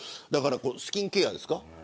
これスキンケアですか。